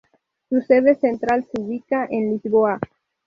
Su sede central se ubica en Lisboa.